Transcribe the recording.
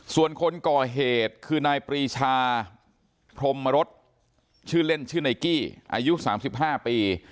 ส่วนคนก่อเหตุคือนายปรีชาพรมรสชื่อเล่นชื่อนายกี้อายุ๓๕ปี